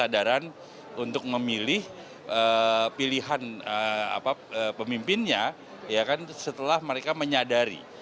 dan untuk memilih pilihan pemimpinnya setelah mereka menyadari